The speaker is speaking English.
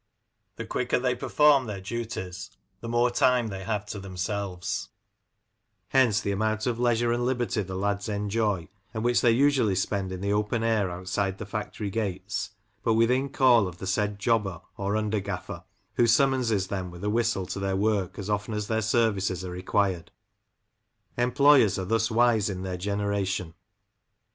The quicker they perform their duties, the more tin*e they have to themselves ; hence the amount of leisure and liberty the lads enjoy, and which they usually spend in the open air outside the factory gates, but within call of the said jobber or under gaffer, who summonses them with a whistle to their work as often as their services are required. Employers are thus wise in their generation.